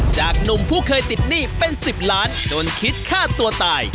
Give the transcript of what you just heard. จากหนุ่มผู้เคยติดหนี้เป็น๑๐ล้านจนคิดฆ่าตัวตาย